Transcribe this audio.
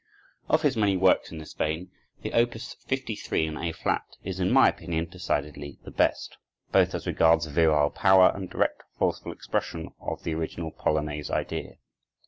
Of his many works in this vein, the Op. 53, in A flat, is in my opinion decidedly the best, both as regards virile power and direct, forceful expression of the original polonaise idea.